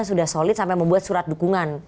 sudah solid sampai membuat surat dukungan